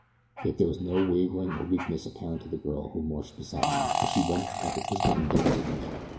Yet there was no wavering or weakness apparent to the girl who marched beside him, and she wondered at the physical endurance of the man.